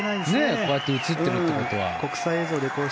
こうやって映っているということは。